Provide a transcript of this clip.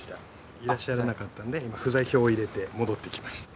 いらっしゃらなかったんで、今、不在票を入れて戻ってきました。